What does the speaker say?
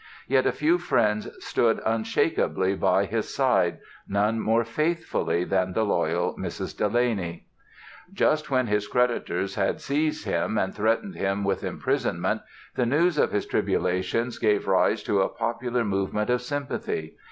Yet a few friends stood unshakably by his side, none more faithfully than the loyal Mrs. Delany. Just when his creditors had seized him and threatened him with imprisonment the news of his tribulations gave rise to a popular movement of sympathy.